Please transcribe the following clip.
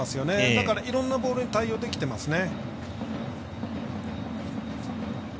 だから、いろんなボールに対応できてますね。